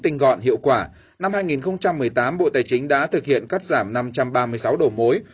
tinh gọn hiệu quả năm hai nghìn một mươi tám bộ tài chính đã thực hiện cắt giảm năm trăm ba mươi sáu đầu mối